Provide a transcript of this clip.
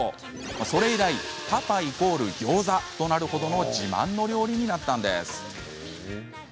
それ以来パパ＝ギョーザとなるほどの自慢の料理になったんです。